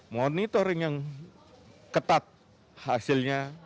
monitoring yang ketat hasilnya